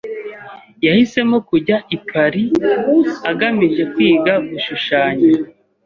Yahisemo kujya i Paris agamije kwiga gushushanya.